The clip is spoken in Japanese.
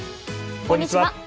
こんにちは。